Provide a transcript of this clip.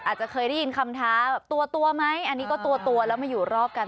อาจจะเคยได้ยินคำท้าตัวตัวไหมอันนี้ก็ตัวแล้วมาอยู่รอบกัน